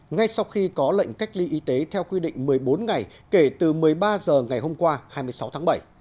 ngay sau khi có lệnh cách ly y tế theo quy định một mươi bốn ngày kể từ một mươi ba h ngày hôm qua hai mươi sáu tháng bảy